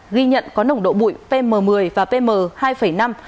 ghi nhận có nồng độ bụi pm một mươi và pm hai năm